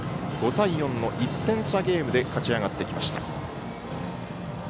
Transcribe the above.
５対４の１点差ゲームで勝ち上がってきました。